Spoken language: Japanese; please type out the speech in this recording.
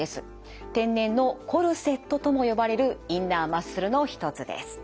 天然のコルセットとも呼ばれるインナーマッスルの一つです。